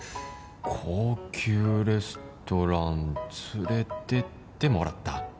高級レストラン連れていってもらった